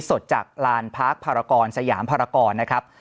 สดจากลานพาร์คภารกรสยามภารกรนะครับ